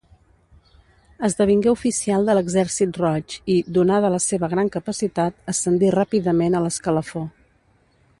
Esdevingué oficial de l'Exèrcit Roig i, donada la seva gran capacitat, ascendí ràpidament a l'escalafó.